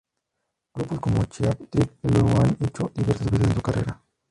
Grupos como Cheap Trick lo han hecho diversas veces en su carrera.